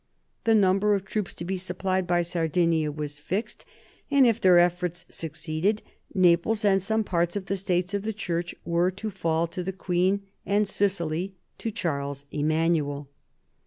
The number of troops to be supplied by Sardinia was fixed, and if their efforts succeeded, Naples and some parts of the States of the Church were to fall to the queen, and Sicily to Charles Emanuel.